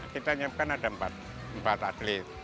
kita menyiapkan ada empat atlet